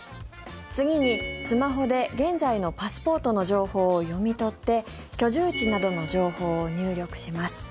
次にスマホで現在のパスポートの情報を読み取って居住地などの情報を入力します。